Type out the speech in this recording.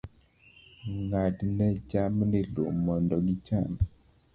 Ng'adne jamni lum mondo gicham.